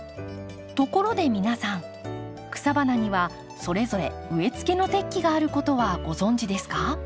ところで皆さん草花にはそれぞれ植えつけの適期があることはご存じですか？